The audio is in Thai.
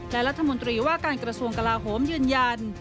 และรัฐมนตรีว่าการกระทรวงกลาโหมยืนยัน